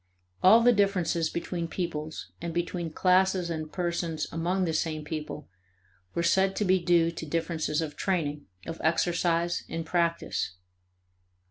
All the differences between peoples and between classes and persons among the same people were said to be due to differences of training, of exercise, and practice.